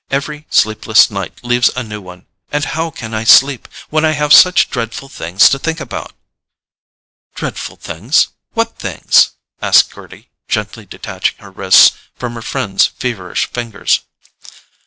Every sleepless night leaves a new one—and how can I sleep, when I have such dreadful things to think about?" "Dreadful things—what things?" asked Gerty, gently detaching her wrists from her friend's feverish fingers.